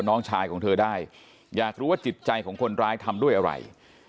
น้องชายของเธอได้อยากรู้ว่าจิตใจของคนร้ายทำด้วยอะไร